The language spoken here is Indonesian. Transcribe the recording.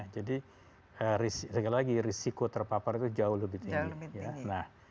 jadi sekali lagi risiko terpapar itu jauh lebih tinggi